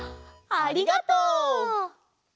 ありがとう。